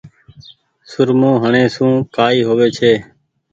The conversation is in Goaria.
سرمو هڻي سون ڪآئي هووي ڇي۔